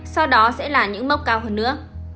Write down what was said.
sau đó sẽ là những mốc cao hơn nữa